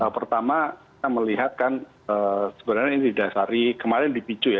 pertama kita melihatkan sebenarnya ini didasari kemarin di picu ya